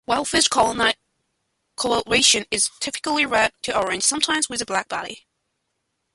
Whalefish coloration is typically red to orange, sometimes with a black body.